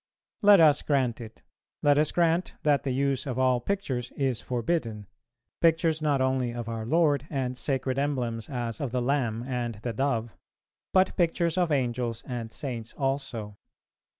Let us grant it; let us grant that the use of all pictures is forbidden, pictures not only of our Lord, and sacred emblems, as of the Lamb and the Dove, but pictures of Angels and Saints also.